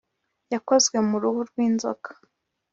Yakozwe mu ruhu rwinzoka